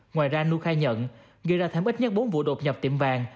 ngoài ra nư khai nhận gây ra thám ít nhất bốn vụ đột nhập tiệm vàng